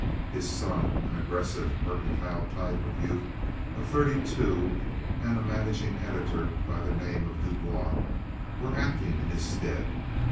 His son, an aggressive, mercantile type of youth of thirty two, and a managing editor by the name of Du Bois were acting in his stead.